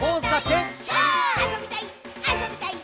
あそびたい！